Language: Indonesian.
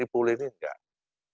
kulit ini enggak